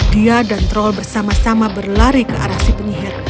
dia dan troll bersama sama berlari ke arah si penyihir